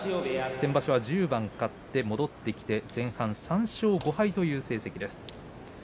先場所は１０番勝って戻ってきて前半３勝５敗という成績です。